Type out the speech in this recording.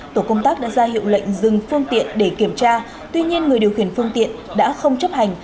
tổ công tác đã ra hiệu lệnh dừng phương tiện để kiểm tra tuy nhiên người điều khiển phương tiện đã không chấp hành